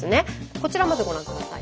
こちらまずご覧下さい。